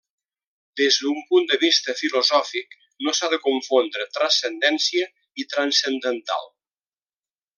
Des d'un punt de vista filosòfic, no s'ha de confondre transcendència i transcendental.